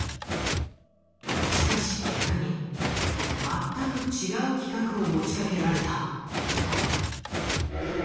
しかし逆に全く違う企画を持ちかけられた。